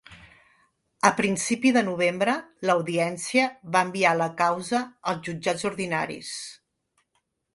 A principi de novembre l’audiència va enviar la causa als jutjats ordinaris.